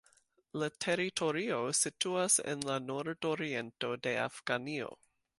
La teritorio situas en la nordoriento de Afganio.